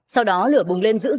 sau đó lửa bùng lên dữ dụng